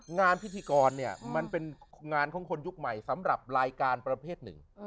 งานพิธีกรเนี่ยมันเป็นงานของคนยุคใหม่สำหรับรายการประเภทหนึ่ง